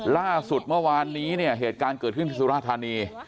ล่าสุดเมื่อวานนี้เนี่ยเหตุการณ์เกิดขึ้นที่สุราธานี